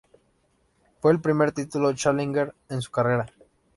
Fue el primer título Challenger en su carrera.